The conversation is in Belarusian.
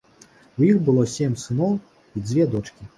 У іх было сем сыноў і дзве дочкі.